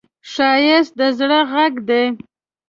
ښایست د زړه غږ دی